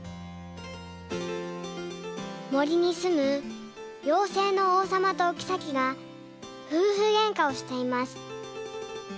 もりにすむようせいのおうさまとおきさきがふうふげんかをしています。